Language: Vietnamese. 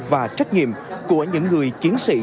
và trách nhiệm của những người chiến sĩ